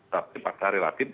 tapi pada relatif